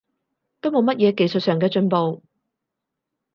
都冇乜嘢技術上嘅進步